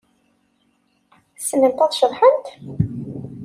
Ssnent ad ceḍḥent?